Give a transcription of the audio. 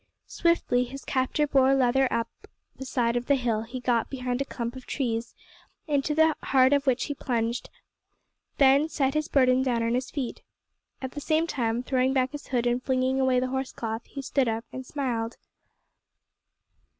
Swiftly his captor bore Leather up the side of the hill till he got behind a clump of trees, into the heart of which he plunged, and then set his burden down on his feet. At the same time, throwing back his hood and flinging away the horse cloth, he stood up and smiled.